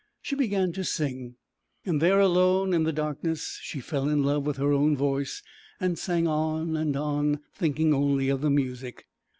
She began to sing, and there alone in the darkness she fell in love with her own voice, and sang on and on, thinking only of the music.